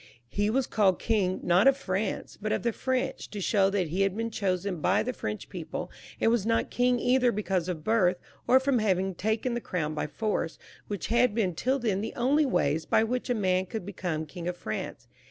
Ho was ciUled king not of France but of the French, to show that ho had been chosen by the French people, and was not king either because of his birth, or from having takon Uie crown by force, which had been till then the only ways by which a man could become King of France.